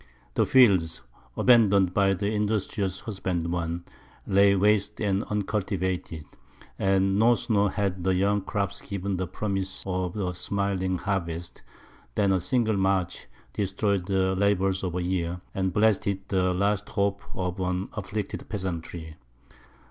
The fields, abandoned by the industrious husbandman, lay waste and uncultivated; and no sooner had the young crops given the promise of a smiling harvest, than a single march destroyed the labours of a year, and blasted the last hope of an afflicted peasantry.